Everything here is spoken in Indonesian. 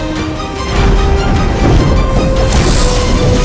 masih maksimal bisa